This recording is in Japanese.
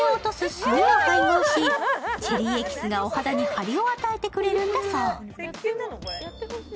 汚れを落とす炭を配合し、チェリーエキスがお肌に張りを与えてくれるんだそう。